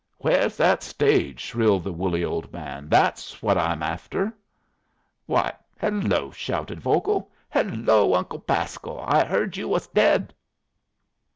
"Where's that stage?" shrilled the woolly old man. "That's what I'm after." "Why, hello!" shouted Vogel. "Hello, Uncle Pasco! I heard you was dead."